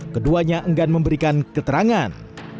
keduanya enggan memberikan keterangan